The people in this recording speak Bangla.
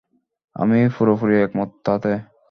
আমি পুরোপুরি একমত তাতে!